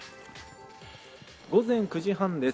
午前９時半です。